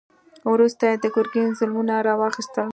وروسته یې د ګرګین ظلمونه را واخیستل.